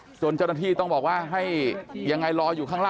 คือเหมือนคุณแม่ทำรองว่าได้เจอถ้าตัวเองเดินไปด้วยอย่างน้อย